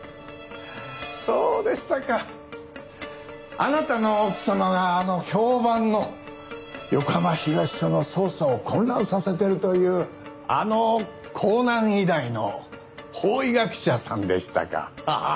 そうでしたかあなたの奥様があの評判の横浜東署の捜査を混乱させてるというあの港南医大の法医学者さんでしたか。